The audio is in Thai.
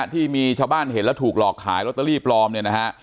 ที่มีชาวบ้านเห็นแล้วถูกหลอกขายลอตเตอรี่ปลอมเนี่ยนะฮะ